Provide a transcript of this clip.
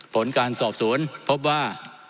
ผลการสอบสวนพบว่า